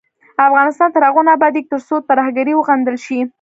افغانستان تر هغو نه ابادیږي، ترڅو ترهګري وغندل شي.